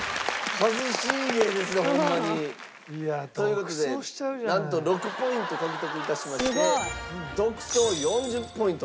カズシーゲーですねホンマに。という事でなんと６ポイント獲得致しまして独走４０ポイント。